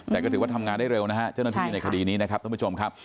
แต่ก็ถือว่าทำงานได้เร็วนะฮะเจ้าหน้าที่ในคดีนี้นะครับท่านผู้ชมครับ